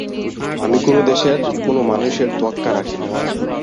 আমি কোন দেশের কোন মানুষের তোয়াক্কা রাখি না।